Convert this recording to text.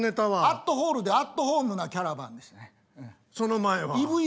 「アットホールで、アットホームなキャラバン」ですね。